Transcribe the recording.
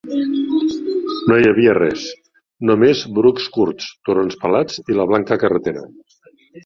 No hi havia res, només brucs curts, turons pelats i la blanca carretera.